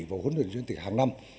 và huấn luyện chuyên tịch hàng năm